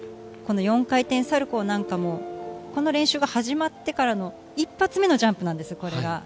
この４回転サルコーなんかも、この練習が始まってからの一発目のジャンプなんです、これが。